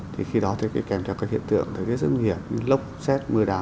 thì khi đó thì kèm theo các hiện tượng cái sự nguy hiểm như lốc xét mưa đá